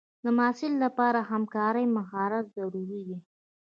د محصل لپاره همکارۍ مهارت ضروري دی.